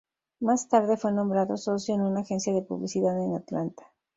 Más tarde fue nombrado socio en una agencia de publicidad en Atlanta.